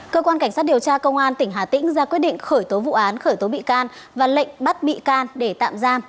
cơ quan cảnh sát điều tra công an tỉnh hà tĩnh ra quyết định khởi tố vụ án khởi tố bị can và lệnh bắt bị can để tạm giam